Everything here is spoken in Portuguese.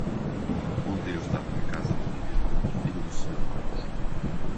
Ontem eu estava na casa da Miriam, filha do Senhor Marcos.